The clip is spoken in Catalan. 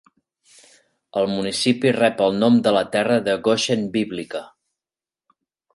El municipi rep el nom de la Terra de Goshen bíblica.